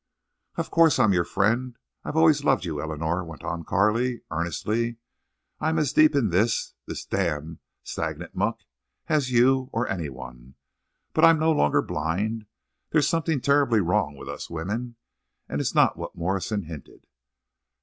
"Of course, I'm your friend. I've always loved you, Eleanor," went on Carley, earnestly. "I'm as deep in this—this damned stagnant muck as you, or anyone. But I'm no longer blind. There's something terribly wrong with us women, and it's not what Morrison hinted."